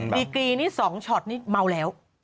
ดีกรีนี่๒ช็อตนี่เมาแล้ว